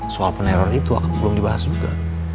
soal peneror itu belum dibahas juga